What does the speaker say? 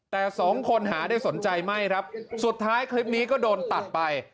แต่สองคนหาได้สนใจไม่ครับสุดท้ายคลิปนี้ก็โดนตัดไป